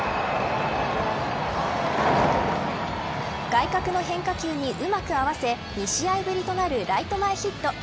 外角の変化球に、うまく合わせ２試合ぶりとなるライト前ヒット。